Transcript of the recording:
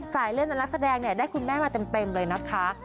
เล่นและนักแสดงเนี่ยได้คุณแม่มาเต็มเลยนะคะ